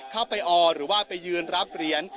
เข้าไปออหรือว่าไปยืนรับเหรียญ